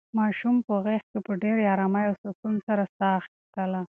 ماشوم په غېږ کې په ډېرې ارامۍ او سکون سره ساه اخیستله.